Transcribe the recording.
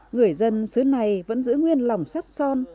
người dân xứ này vẫn giữ nguyên lòng sắt son